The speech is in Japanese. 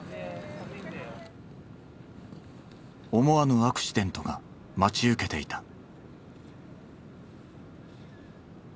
思わぬアクシデントが待ち受けていた。